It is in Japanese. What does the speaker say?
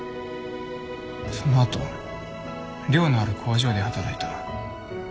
その後寮のある工場で働いた。